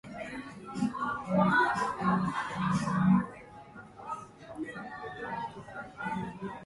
このあとのほうの棒を一方の足、星形のとがりの一つをもう一方の足にして、全体はまるで両足で立つように直立することができる。